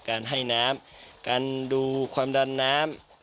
การให้น้ำการดูความดันน้ำ